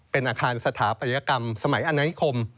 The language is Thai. เป็นอาคารสถาปัตยกรรมสมัยอนานิคม